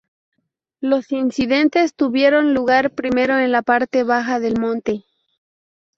Los incidentes tuvieron lugar primero en la parte baja del monte.